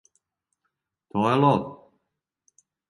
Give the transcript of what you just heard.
То је лов.